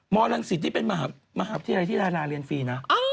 มรังสิตนี่เป็นมหาวิทยาลัยที่ดาราเรียนฟรีนะ